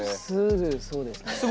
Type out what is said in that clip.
すぐそうですね。